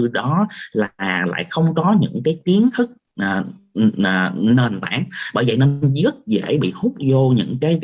đó là lại không có những cái kiến thức nền tảng bởi vậy nó rất dễ bị hút vô những cái